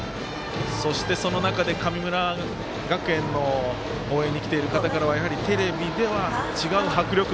そして、その中で神村学園の応援に来ている方からはやはり、テレビとは違う迫力。